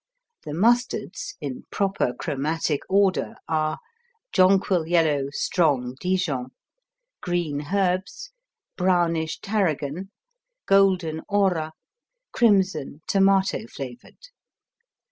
The mustards, in proper chromatic order, are: jonquil yellow "Strong Dijon"; "Green Herbs"; brownish "Tarragon"; golden "Ora"; crimson "Tomato flavored."